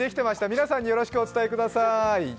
皆さんによろしくお伝えください。